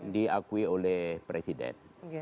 diakui oleh presiden